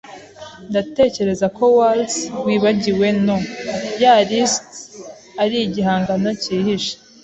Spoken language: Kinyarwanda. Ndatekereza ko "Waltz Wibagiwe No" ya Liszt ari igihangano cyihishe.